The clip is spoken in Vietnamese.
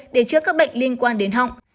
để chữa các bệnh liên quan đến họng